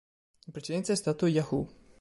In precedenza è stato "Yahoo!